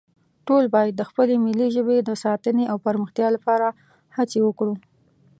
ټول باید د خپلې ملي ژبې د ساتنې او پرمختیا لپاره هڅې وکړو